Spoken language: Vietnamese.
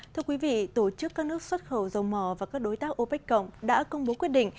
thưa quý vị tổ chức các nước xuất khẩu dầu mò và các đối tác opec cộng đã công bố quyết định